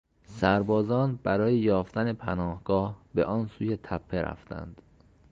سربازان برای یافتن پناهگاه به آن سوی تپه رفتند.